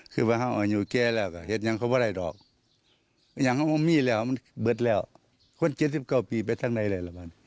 ตรงที่นี่เป็นตะศรีรศาสตร์น่ามอง